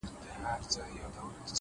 • چي د تاج دي سو دښمن مرګ یې روا دی,